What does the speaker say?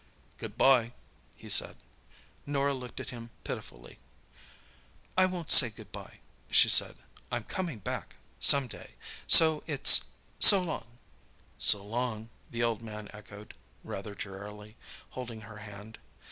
"Good bye," he said. Norah looked at him pitifully. "I won't say good bye," she said. "I'm coming back—some day. So it's—'so long!'" "So long," the old man echoed, rather drearily, holding her hand.